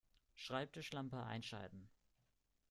Schreibtischlampe einschalten